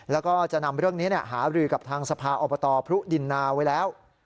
แล้วก็จะนำเรื่องนี้หารือกับทางสภาอบตพรุดินนาไว้แล้ว